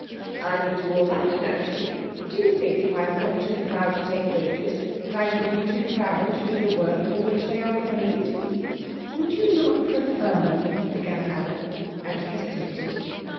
"I would do all that, naturally. Do you think if I am not too proud to take wages that I shall be too proud to do the work for which they are paid?" "Would you not prefer " began Anna, and hesitated.